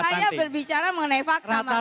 saya berbicara mengenai fakta mas emil